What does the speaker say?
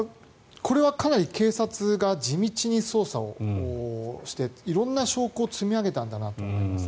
これはかなり警察が地道に捜査をして色んな証拠を積み上げたんだなと思います。